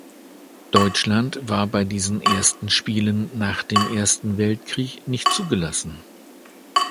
Deutschland war bei diesen ersten Spielen nach dem Ersten Weltkrieg nicht zugelassen.